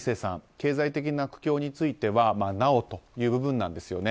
経済的な苦境についてはなおという部分なんです。